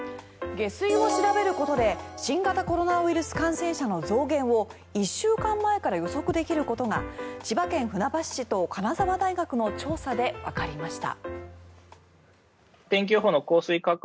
下水を調べることで新型コロナウイルス感染者の増減を１週間前から予測できることが千葉県船橋市と金沢大学の調査でわかりました。